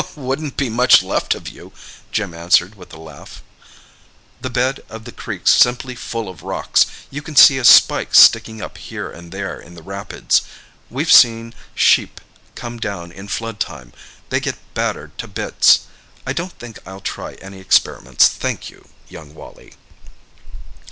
"Wouldn't be much left of you," Jim answered, with a laugh. "The bed of the creek's simply full of rocks—you can see a spike sticking up here and there in the rapids. We've seen sheep come down in flood time—they get battered to bits. I don't think I'll try any experiments, thank you, young Wally."